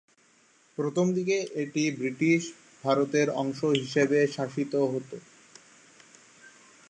প্রথমদিকে এটি ব্রিটিশ ভারতের অংশ হিসাবে শাসিত হত।